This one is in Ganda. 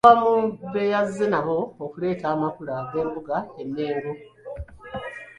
Okuva mu be yazze nabo okuleeta amakula g’embuga e Mengo.